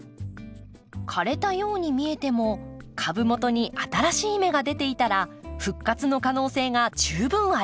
枯れたように見えても株元に新しい芽が出ていたら復活の可能性が十分あります。